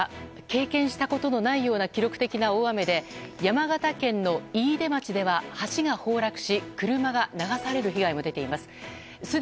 経験したことのないような記録的な大雨で山形県の飯豊町では橋が崩落し車が流される被害も出ています。